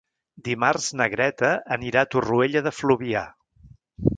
Dimarts na Greta anirà a Torroella de Fluvià.